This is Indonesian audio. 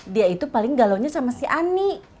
dia itu paling galonnya sama si ani